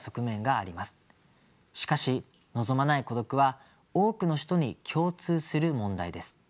しかし望まない孤独は多くの人に共通する問題です。